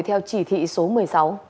theo chỉ thị số một mươi sáu